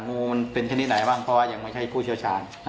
งูมันเป็นชนิดไหนบ้างเพราะว่ายังไม่ใช่ผู้เชี่ยวชาญ